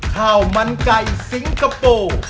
ข้าวมันไก่สิงคโปร์